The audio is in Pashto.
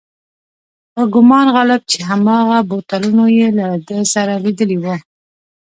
په ګومان غالب چې هماغه بوتلونه یې له ده سره لیدلي و.